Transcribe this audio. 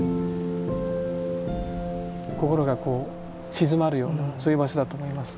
心が静まるようなそういう場所だと思います。